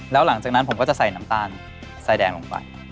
แล้วหลังจากนั้นผมก็จะใส่น้ำตาลใส่แดงลงไป